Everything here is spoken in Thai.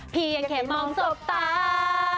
พี่ยังแข็งมองสกตา